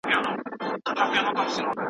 اسلامي شريعت د نجونو تبادله منع کړه.